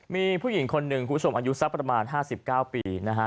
มีผู้หญิงคนนึงคุณผู้ชมอายุสักประมาณห้าสิบเก้าปีนะฮะ